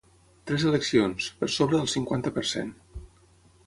Tres eleccions, per sobre del cinquanta per cent.